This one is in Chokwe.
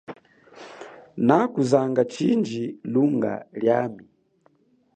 Nakuzanga chindji lunga liami.